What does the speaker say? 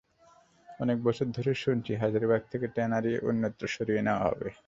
অনেক বছর ধরে শুনছি হাজারীবাগ থেকে ট্যানারি অন্যত্র সরিয়ে নেওয়া হবে।